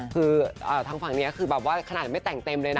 คือทางฝั่งนี้คือแบบว่าขนาดไม่แต่งเต็มเลยนะ